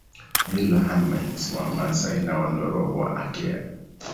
Nilo Hamites Wamaasai na Wandorobo Wa Akea